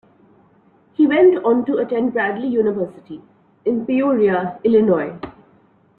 He went on to attend Bradley University, in Peoria, Illinois.